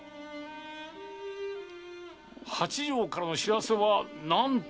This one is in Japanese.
八丈からの知らせは何と？